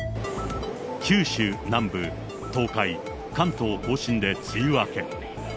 九州南部、東海、関東甲信で梅雨明け。